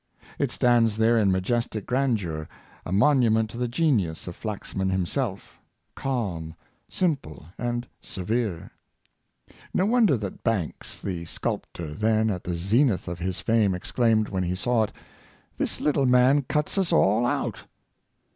It stands there in majestic grandeur, a monument to the genius of Flaxman himself— calm^ simple, and severe. No wonder that Banks, the sculp= David Wilkie's BoyJwod. 347 tor, then at the zenith of his fame, exclaimed, when he saw it, " This Httle man cuts us all out!